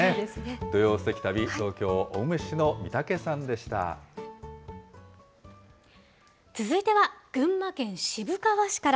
土曜すてき旅、東京・青梅市続いては群馬県渋川市から。